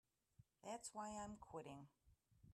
That's why I'm quitting.